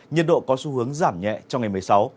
nhiệt độ có xu hướng giảm nhẹ trong ngày một mươi sáu